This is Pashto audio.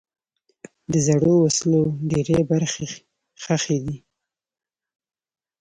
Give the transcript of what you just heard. د زړو وسلو ډېری برخې ښخي دي.